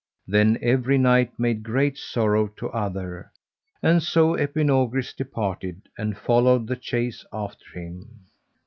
Then every knight made great sorrow to other; and so Epinogris departed and followed the chase after him.